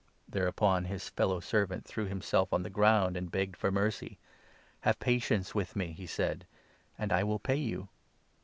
Thereupon his fellow servant threw himself on the 29 ground, and begged for mercy. ' Have patience with me,' he said, 'and I will pay you.'